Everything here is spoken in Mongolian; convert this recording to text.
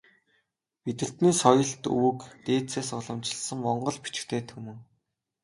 Бидэртний соёлт өвөг дээдсээс уламжилсан монгол бичигтэй түмэн.